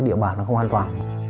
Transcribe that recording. địa bàn nó không an toàn